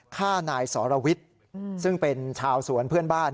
ฆ่านายสรวิทย์ซึ่งเป็นชาวสวนเพื่อนบ้าน